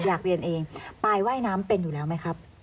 อยากเรียนเองปลายว่ายน้ำเป็นอยู่แล้วไหมครับ